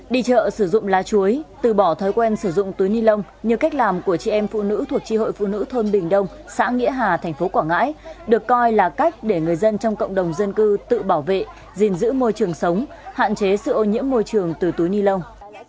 đi chợ sử dụng lá chuối từ bỏ thói quen sử dụng túi ni lông như cách làm của chị em phụ nữ thuộc tri hội phụ nữ thôn bình đông xã nghĩa hà thành phố quảng ngãi được coi là cách để người dân trong cộng đồng dân cư tự bảo vệ giữ môi trường sống hạn chế sự ô nhiễm môi trường từ túi ni lông